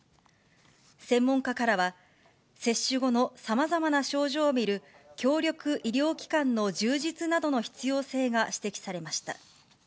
専門家からは、接種後のさまざまな症状を見る協力医療機関の充実などの必要性が指摘されました。